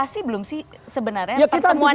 sebenarnya diantisipasi belum sih